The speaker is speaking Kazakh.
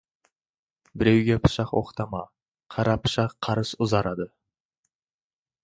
Біреуге пышақ оқтама, қара пышақ қарыс ұзарады.